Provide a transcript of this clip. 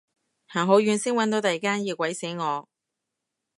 行好遠先搵到第間，熱鬼死我